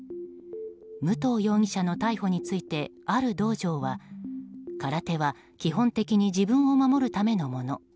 武藤容疑者の逮捕についてある道場は、空手は基本的に自分を守るためのもの。